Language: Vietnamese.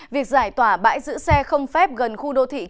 việc giải tỏa bãi giữ xe không phép gần khu đô thị kim văn